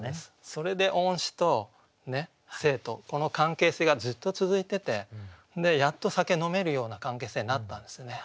それで恩師と生徒この関係性がずっと続いててやっと酒飲めるような関係性になったんですよね。